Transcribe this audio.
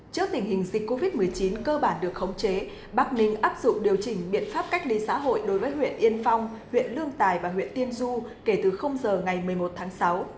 trước tình hình dịch covid một mươi chín cơ bản được khống chế bắc ninh áp dụng điều chỉnh biện pháp cách ly xã hội đối với huyện yên phong huyện lương tài và huyện tiên du kể từ giờ ngày một mươi một tháng sáu